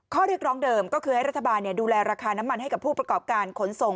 ข้อเรียกร้องเดิมก็คือให้รัฐบาลดูแลราคาน้ำมันให้กับผู้ประกอบการขนส่ง